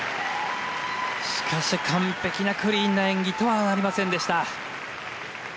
しかし完璧なクリーンな演技とはなりませんでした。